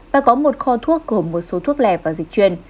và có một kho thuốc gồm một số thuốc lè và dịch chuyên